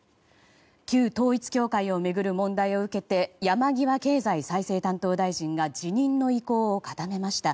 旧統一教会を巡る問題を受けて山際経済再生担当大臣が辞任の意向を固めました。